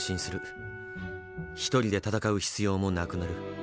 ひとりで戦う必要もなくなる。